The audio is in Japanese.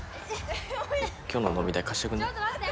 今日の飲み代貸してくんない？